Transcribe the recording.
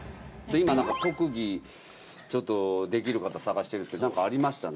今特技できる方探してるんですけど何かありました？